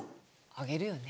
あげるよね。